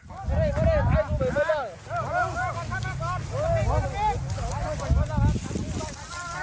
ข้มมา